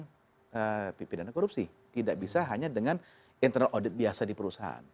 karena pidana korupsi tidak bisa hanya dengan internal audit biasa di perusahaan